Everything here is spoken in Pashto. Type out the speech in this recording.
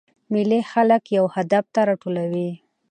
مېلې خلک یو هدف ته راټولوي.